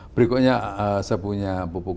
berikutnya saya punya buku buku